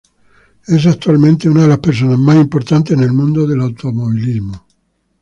Es actualmente una de las personas más importantes en el mundo del automovilismo.